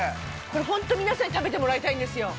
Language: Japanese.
これほんと皆さんに食べてもらいたいんですよ。